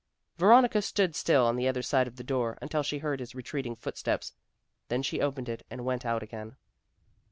Veronica stood still on the other side of the door until she heard his retreating footsteps; then she opened it and went out again.